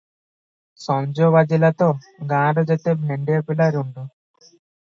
ସଞ୍ଜ ବାଜିଲା ତ, ଗାଁର ଯେତେ ଭେଣ୍ଡିଆ ପିଲା ରୁଣ୍ଡ ।